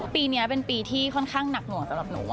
ปีนี้เป็นปีที่ค่อนข้างหนักหน่วงสำหรับหนู